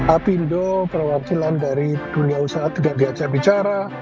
apindo perwakilan dari dunia usaha tidak diajak bicara